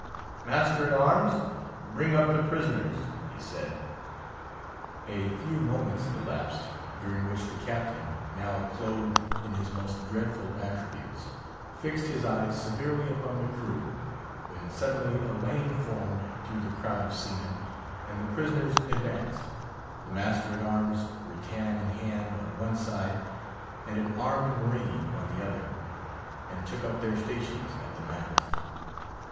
"Master at arms, bring up the prisoners," he said. A few moments elapsed, during which the Captain, now clothed in his most dreadful attributes, fixed his eyes severely upon the crew, when suddenly a lane formed through the crowd of seamen, and the prisoners advanced—the master at arms, rattan in hand, on one side, and an armed marine on the other—and took up their stations at the mast.